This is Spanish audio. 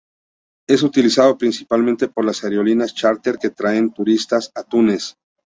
Es utilizado principalmente por las aerolíneas charter que traen turistas a Túnez.